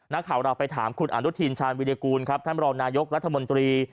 นักข่าวเราไปถามคุณอนุทินชาญวิรากูลครับท่านรองนายกรัฐมนตรี